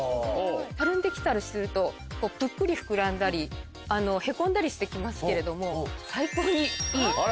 たるんで来たりするとぷっくり膨らんだりへこんだりして来ますけれども。